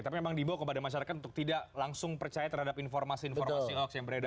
tapi memang dibawa kepada masyarakat untuk tidak langsung percaya terhadap informasi informasi hoax yang beredar